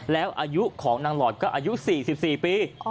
แล้วอายุของนางหลอดก็อายุ๔๔ปี